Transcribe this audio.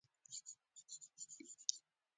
هغه صحنه زه په لیکلو نشم بیانولی